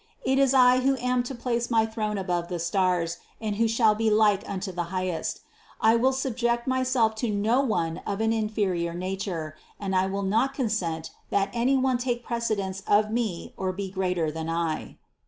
It is I who am to place my throne above the stars and who shall be like unto the Highest; I will subject myself to no one of an inferior nature, and I will not consent that any one take precedence of me or be greater than I."